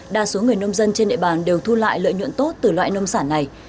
đa số người nông dân trên địa bàn đều thu lại lợi nhuận tốt từ loại nông sản này